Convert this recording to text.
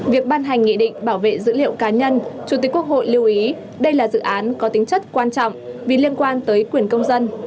việc ban hành nghị định bảo vệ dữ liệu cá nhân chủ tịch quốc hội lưu ý đây là dự án có tính chất quan trọng vì liên quan tới quyền công dân